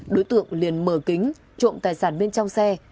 đối tượng liền mở kính trộm tài sản bên trong xe